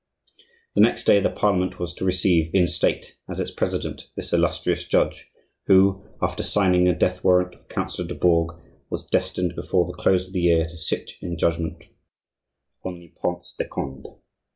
The next day the Parliament was to receive in state, as its president, this illustrious judge, who, after signing the death warrant of Councillor du Bourg, was destined before the close of the year to sit in judgment on the Prince de Conde!